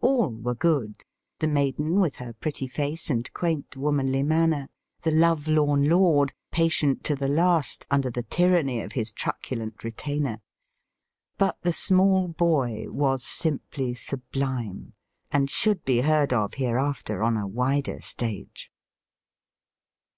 All were good, the maiden with her pretty face and quaint womanly manner, the love lorn lord, patient to the last, under the tyranny of his truculent retainer. But the small boy was simply subHme, and should be heard of here after on a wider stage.